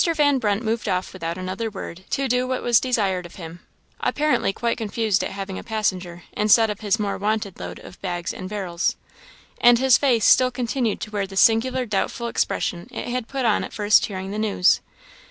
Van Brunt moved off without another word, to do what was desired of him apparently quite confounded at having a passenger instead of his more wonted load of bags and barrels. And his face still continued to wear the singular doubtful expression it had put on at first hearing the news.